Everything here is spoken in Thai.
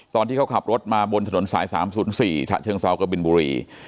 ตอนที่เขาขับรถมาบนถนนสาย๓๐๔ฉะเชิงเซากบินบุรี